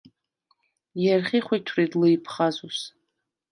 ჲერხი ხვითვრიდ ლჷჲფხაზუს.